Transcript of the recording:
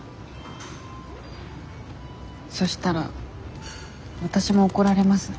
そしたらわたしも怒られますね。